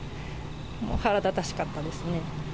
もう腹立たしかったですね。